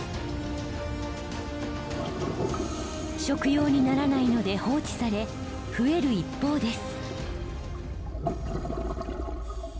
食用にならないので放置され増える一方です。